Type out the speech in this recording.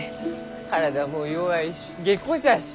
体も弱いし下戸じゃし。